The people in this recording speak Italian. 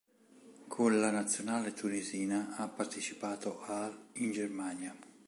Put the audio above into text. Con la Nazionale tunisina ha partecipato al in Germania.